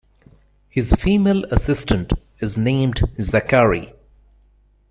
His female assistant is named Zachary.